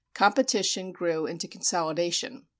Competition grew into consolidation.